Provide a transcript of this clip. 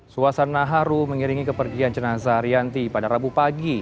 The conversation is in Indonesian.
suasana haru mengiringi kepergian jenazah rianti pada rabu pagi